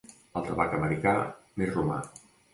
El tabac americà més romà.